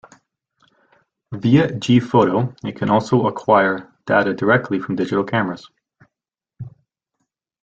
Via gPhoto it can also acquire data directly from digital cameras.